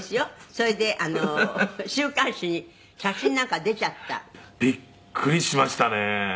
「それで週刊誌に写真なんか出ちゃった」「びっくりしましたね」